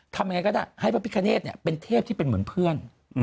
ทำยังไงก็ได้ให้พระพิคเนธเป็นเทพที่เป็นเหมือนเพื่อน